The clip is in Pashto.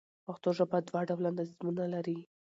پښتو ژبه دوه ډوله نظمونه لري.